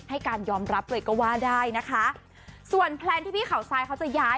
ให้การยอมรับเลยก็ว่าได้นะคะส่วนแพลนที่พี่เขาทรายเขาจะย้าย